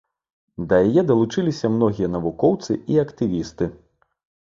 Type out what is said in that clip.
Да яе далучыліся многія навукоўцы і актывісты.